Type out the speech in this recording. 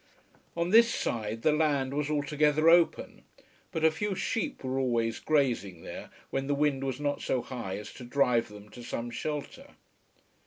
On this side the land was altogether open, but a few sheep were always grazing there when the wind was not so high as to drive them to some shelter.